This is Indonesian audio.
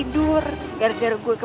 duga terh bee